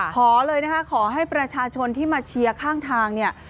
ขอเลยนะคะขอให้ประชาชนที่มาเชียร์ข้างทางเนี่ย